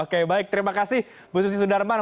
oke baik terima kasih bu susi sudarman